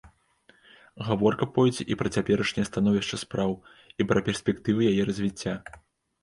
Гаворка пойдзе і пра цяперашняе становішча спраў, і пра перспектывы яе развіцця.